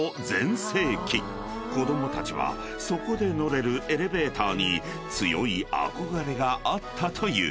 ［子供たちはそこで乗れるエレベーターに強い憧れがあったという］